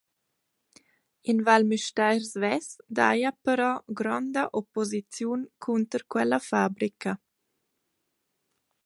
In Val Müstair svess daja però gronda opposiziun cunter quella fabrica.